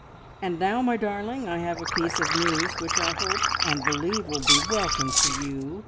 "And now, my darling, I have a piece of news, which I hope and believe will be welcome to you.